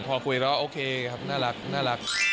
พอคุยแล้วโอเคครับน่ารัก